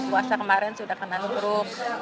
puasa kemarin sudah kena group